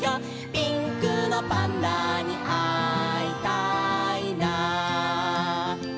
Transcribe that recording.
「ピンクのパンダにあいたいな」